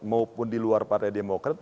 maupun di luar partai demokrat